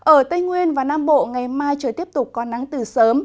ở tây nguyên và nam bộ ngày mai trời tiếp tục có nắng từ sớm